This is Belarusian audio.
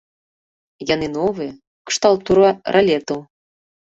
Яны новыя, кшталту ралетаў.